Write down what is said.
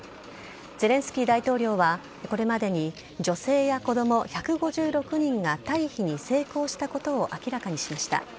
ゼレンスキー大統領はこれまでに女性や子供１５６人が退避に成功したことを明らかにしました。